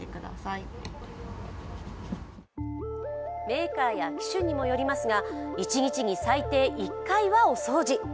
メーカーや機種にもよりますが一日に最低１回はお掃除。